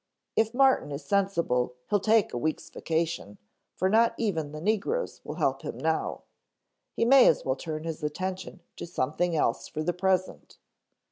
If Martin is sensible he'll take a week's vacation, for not even the negroes will help him now. He may as well turn his attention to something else for the present.